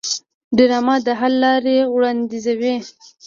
ډرامه د حل لارې وړاندیزوي